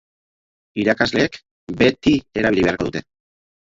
Irakasleek beti erabili beharko dute.